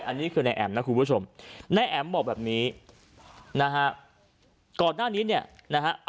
อันนี้คือนายแอ๋มนะคุณผู้ชมนายแอ๋มบอกแบบนี้นะฮะก่อนหน้านี้เนี่ยนะฮะ